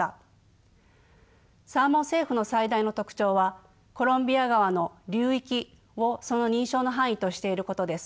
サーモン・セーフの最大の特徴はコロンビア川の流域をその認証の範囲としていることです。